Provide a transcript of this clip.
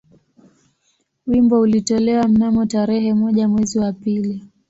Wimbo ulitolewa mnamo tarehe moja mwezi wa pili